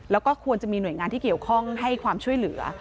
แล้วก็ควรจะมีหน่วยงานที่เกี่ยวข้องให้ความช่วยเหลือ